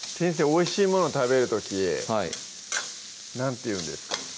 おいしいもの食べる時何て言うんですか？